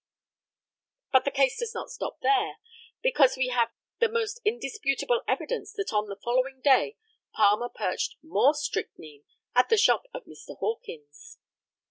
But the case does not stop there, because we have the most indisputable evidence that on the following day Palmer purchased more strychnine at the shop of Mr. Hawkins.